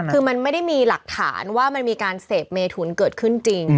คือมันไม่ได้มีหลักฐานว่ามันมีการเสพเมถุนเกิดขึ้นจริง